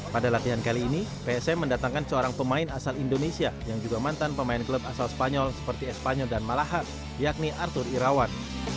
pada latihan kali ini psm mendatangkan seorang pemain asal indonesia yang juga mantan pemain klub asal spanyol seperti espanyol dan malahak yakni arthur irawan